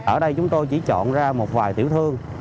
ở đây chúng tôi chỉ chọn ra một vài tiểu thương